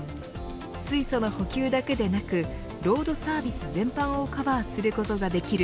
水素の補給だけでなくロードサービス全般をカバーすることができる